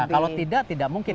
kalau tidak tidak mungkin